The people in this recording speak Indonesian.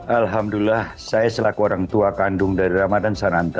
alhamdulillah saya selaku orang tua kandung dari ramadan sananta